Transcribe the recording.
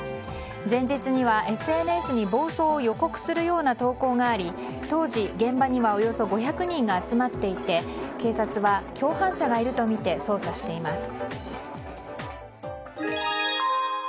前日にはＳＮＳに暴走を予告するような投稿があり当時、現場にはおよそ５００人が集まっていて警察は共犯者がいるとみて捜査しています。